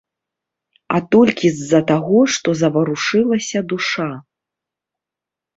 А толькі з-за таго, што заварушылася душа.